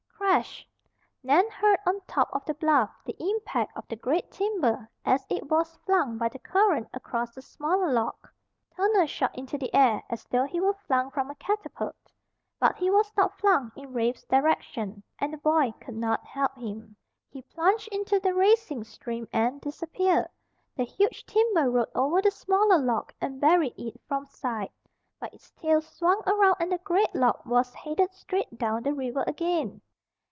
Crash! Nan heard, on top of the bluff, the impact of the great timber as it was flung by the current across the smaller log. Turner shot into the air as though he were flung from a catapult. But he was not flung in Rafe's direction, and the boy could not help him. He plunged into the racing stream and disappeared. The huge timber rode over the smaller log and buried it from sight. But its tail swung around and the great log was headed straight down the river again.